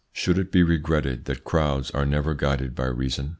Should it be regretted that crowds are never guided by reason?